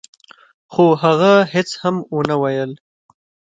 خو هغه هيڅ هم ونه ويل.